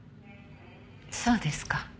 そうですか。